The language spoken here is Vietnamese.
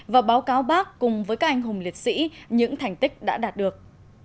và báo cáo bác cùng với các anh hùng liệt sĩ những thành tích đã đạt được